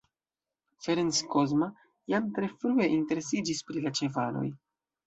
Ferenc Kozma jam tre frue interesiĝis pri la ĉevaloj.